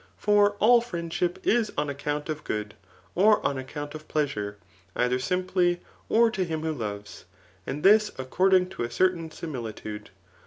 For all friendship is on account of good, or on account of pleasure, either simply, or to him who loves, and this according to a certain similitude.